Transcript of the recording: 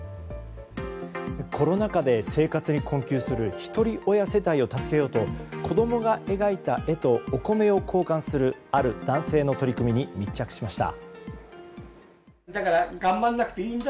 コロナ禍で生活に困窮するひとり親世帯を助けようと子供が描いた絵とお米を交換するある男性の取り組みに密着しました。